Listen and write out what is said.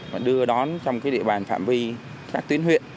và đưa đón trong địa bàn phạm vi các tuyến huyện